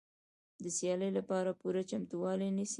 د سیالۍ لپاره پوره چمتووالی نیسي.